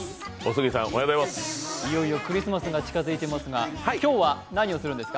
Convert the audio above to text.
いよいよクリスマスが近づいていますが今日は何をするんですか？